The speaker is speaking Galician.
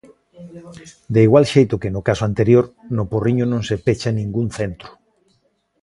De igual xeito que no caso anterior, no Porriño non se pecha ningún centro.